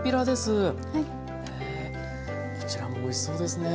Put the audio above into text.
こちらもおいしそうですね。